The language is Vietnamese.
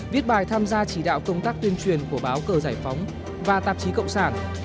viết bài tham gia chỉ đạo công tác tuyên truyền của báo cờ giải phóng và tạp chí cộng sản